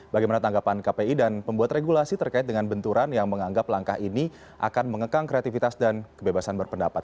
bagaimana tanggapan kpi dan pembuat regulasi terkait dengan benturan yang menganggap langkah ini akan mengekang kreativitas dan kebebasan berpendapat